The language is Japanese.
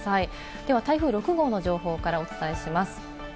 では台風６号の情報からお伝えします。